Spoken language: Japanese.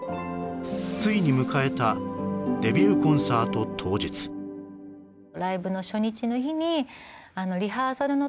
ついに迎えたデビューコンサート当日そしたらしました